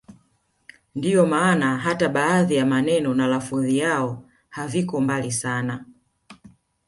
Ndio maana hata baadhi ya maneno na lafudhi yao haviko mbali sana